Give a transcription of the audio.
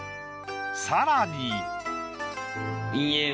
さらに。